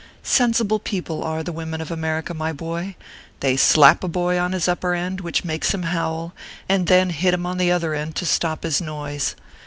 Sensible people are the women of America, my boy ; they slap a boy on his upper end, which makes him howl, and then hit him on the other end to stop his noise.